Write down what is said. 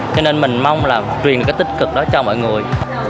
cho nên mình mong là truyền cái tích cực đó cho mọi người